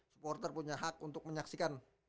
supporter punya hak untuk menyaksikan